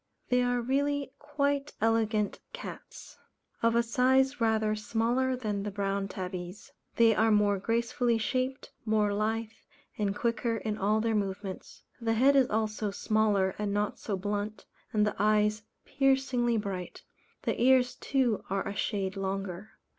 They are really quite elegant cats. Of a size rather smaller than the Brown Tabbies. They are more gracefully shaped, more lithe and quicker in all their movements. The head is also smaller and not so blunt, and the eyes piercingly bright; the ears too are a shade longer.